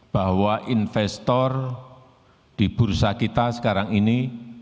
bahwa investor di bursa kita sekarang ini